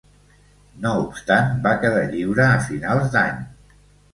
No obstant, va quedar lliure a finals d'any.